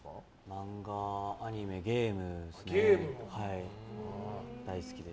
漫画、アニメ、ゲーム大好きです。